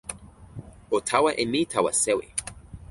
o tawa e mi tawa sewi.